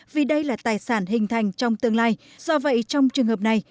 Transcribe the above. vì đây là tài sản hình thành trong tương lai do vậy trong trường hợp này